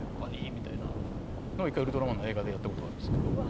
みたいなのを１回、「ウルトラマン」の映画でやったことはありますね。